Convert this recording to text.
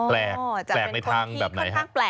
แปลกแปลกในทางแบบไหนคะ